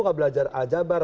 nggak belajar ajabar